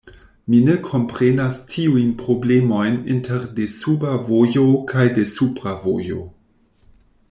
Mi ne komprenas tiujn problemojn inter desuba vojo kaj desupra vojo?